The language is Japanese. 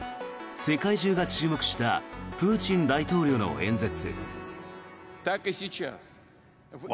世界中が注目したプーチン大統領の演説。